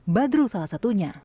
badrul salah satunya